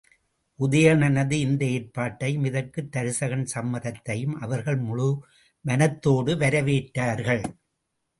உதயணனது இந்த ஏற்பாட்டையும் இதற்குத் தருசகன் சம்மதித்ததையும் அவர்கள் முழு மனத்தோடு வரவேற்றார்கள்.